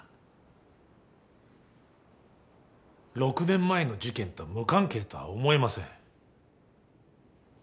６年前の事件と無関係とは思えません。